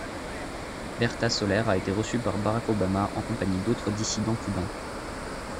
Berta Soler a été reçue par Barack Obama en compagnie d'autres dissidents cubains.